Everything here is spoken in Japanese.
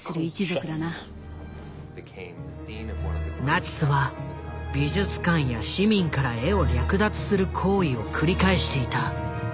ナチスは美術館や市民から絵を略奪する行為を繰り返していた。